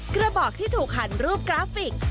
กระบอกที่ถูกหันรูปกราฟิก